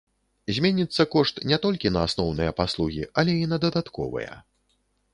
Зменіцца кошт не толькі на асноўныя паслугі, але і на дадатковыя.